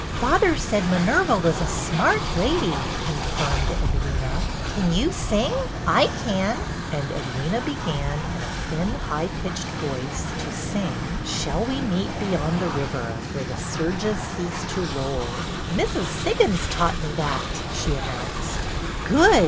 Father said Minerva was a smart lady," con firmed Edwyna. '' Can you sing? I can." And Edwyna began, in a thin, high pitched voice, to sing: ' Shall we meet beyond the river. Where the surges cease to roll ?' Mrs. Siggins taught me that," she announced. Good